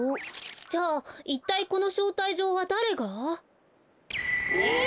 じゃいったいこのしょうたいじょうはだれが？